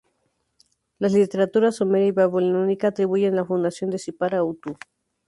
Las literaturas sumeria y babilónica atribuyen la fundación de Sippar a Utu.